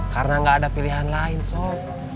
karena gak ada pilihan lain sob